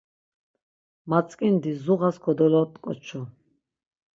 Matzǩindi zuğas kodolot̆ǩoçu.